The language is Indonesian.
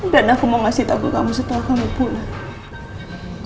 dan aku mau ngasih tabu kamu setelah kamu pulang